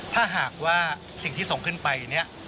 ถ้าหากว่าสิ่งที่ส่งขึ้นไปเนี่ย